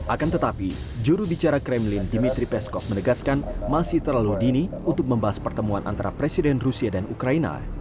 akan tetapi jurubicara kremlin dimitri peskov menegaskan masih terlalu dini untuk membahas pertemuan antara presiden rusia dan ukraina